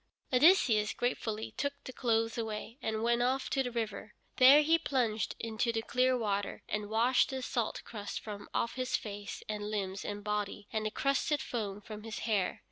Odysseus gratefully took the clothes away, and went off to the river. There he plunged into the clear water, and washed the salt crust from off his face and limbs and body, and the crusted foam from his hair.